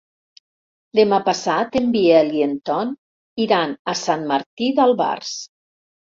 Demà passat en Biel i en Ton iran a Sant Martí d'Albars.